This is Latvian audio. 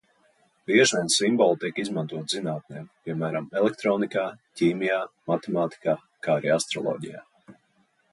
Bieži vien simboli tiek izmantoti zinātnē, piemēram, elektronikā, ķīmijā, matemātikā, kā arī astroloģijā.